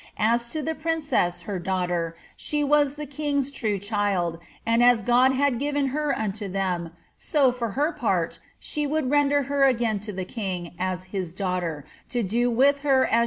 As to the princess, her daughter, she was the king's true child, and as God had given her unto them, so, for her part, she would render her again to the king, as his' daughter, to do with her as shook!